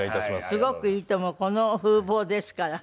すごくいいと思うこの風貌ですから。